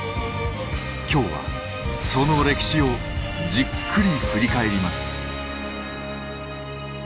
今日はその歴史をじっくり振り返ります。